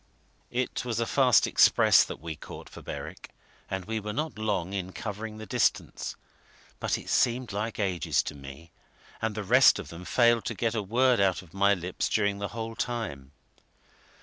It was a fast express that we caught for Berwick, and we were not long in covering the distance, but it seemed like ages to me, and the rest of them failed to get a word out of my lips during the whole time.